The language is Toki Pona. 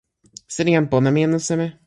sina jan pona mi anu seme?